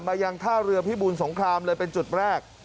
ยังท่าเรือพิบูรสงครามเลยเป็นจุดแรก